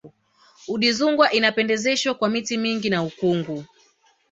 udzungwa inapendezeshwa kwa miti mingi na ukungu